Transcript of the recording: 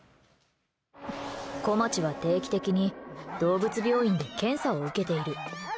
こまちは定期的に動物病院で検査を受けている。